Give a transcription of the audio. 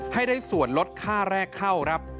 ให้ได้ส่วนลดค่าแรกเข้าครับ